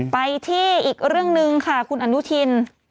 ไปที่อีกเรื่องหนึ่งค่ะคุณอนุทิน